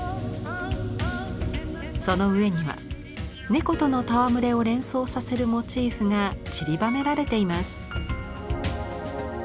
その上には猫との戯れを連想させるモチーフがちりばめられています。